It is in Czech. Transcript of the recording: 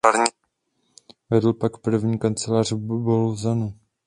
Vedl pak právní kancelář v Bolzanu.